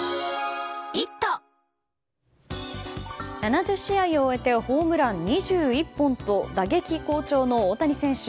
７０試合を終えてホームラン２１本と打撃好調の大谷選手。